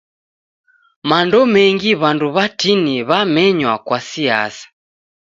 Mando menmgi w'andu w'atini wamenywa kwa siasa.